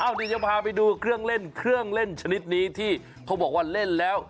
เอาดีจะพาไปดูเครื่องเล่นชนิดนี้ที่เขาบอกว่าเล่นแล้ว